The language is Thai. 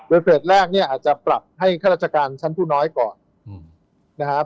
โดยเฟสแรกเนี่ยอาจจะปรับให้ข้าราชการชั้นผู้น้อยก่อนนะครับ